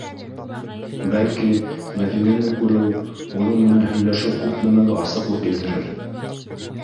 Бәлки, Мәҙинәне күреү, уның менән һөйләшеү күп нәмәгә асыҡлыҡ индерер?